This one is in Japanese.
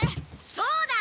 そうだ！